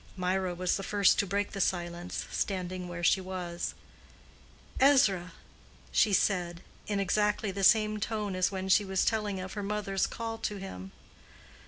Mirah was the first to break the silence, standing where she was. "Ezra," she said, in exactly the same tone as when she was telling of her mother's call to him.